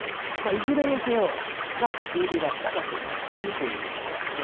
いずれにせよ、まあ、梅雨入りは近くなっているということですね。